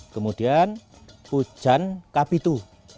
kemudian pujan kapitu